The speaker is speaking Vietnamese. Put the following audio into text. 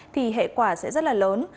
thì hệ quả sẽ rất là lớn